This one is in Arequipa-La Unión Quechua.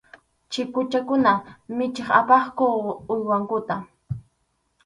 Chikuchakuna michiq apaqku uywankuta.